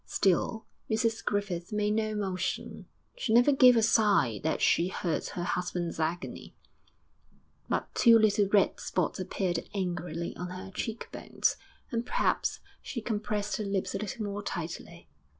Still Mrs Griffith made no motion, she never gave a sign that she heard her husband's agony; but two little red spots appeared angrily on her cheek bones, and perhaps she compressed her lips a little more tightly....